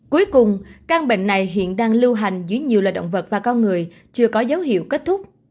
cuối cùng căn bệnh này hiện đang lưu hành dưới nhiều loài động vật và con người chưa có dấu hiệu kết thúc